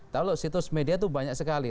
kalau situs media itu banyak sekali